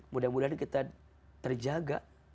mudah mudahan kita terjaga